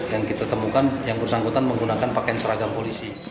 dan kita temukan yang bersangkutan menggunakan pakaian seragam polisi